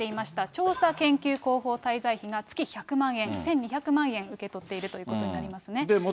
調査研究広報滞在費が月１００万円、１２００万円受け取っているということになりますね。